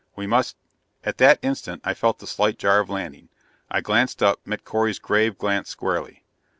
We must " At that instant I felt the slight jar of landing. I glanced up; met Correy's grave glance squarely.